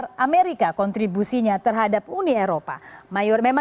dan amerika kontribusinya terhadap uni eropa